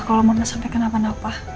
kalau mama sampai kenapa napa